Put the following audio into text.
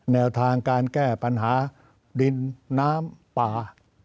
แนวทางการแก้ปัญหาดินน้ำป่า